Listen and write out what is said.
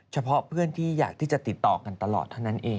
เฉพาะเพื่อนที่อยากที่จะติดต่อกันตลอดเท่านั้นเอง